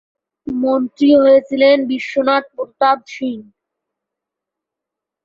প্রধান মন্ত্রী হয়েছিলেন বিশ্বনাথ প্রতাপ সিং।